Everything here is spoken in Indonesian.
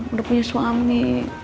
udah punya suami